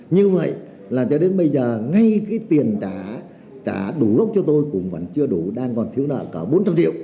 như vậy là cho đến bây giờ ngay cái tiền đã trả đủ gốc cho tôi cũng vẫn chưa đủ đang còn thiếu nợ cả bốn trăm linh triệu